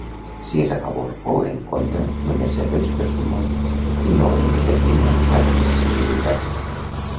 Si és a favor o en contra només serveix per sumar i no en determina l'admissibilitat.